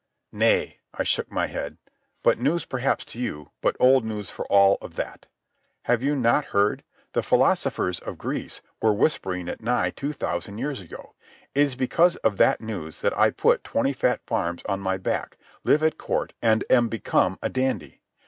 "Nay," I shook my head. "But news perhaps to you, but old news for all of that. Have you not heard? The philosophers of Greece were whispering it nigh two thousand years ago. It is because of that news that I put twenty fat farms on my back, live at Court, and am become a dandy.